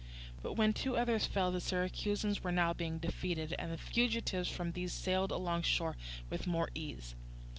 But when the two others fell, the Syracusans were now being defeated; and the fugitives from these sailed alongshore with more ease.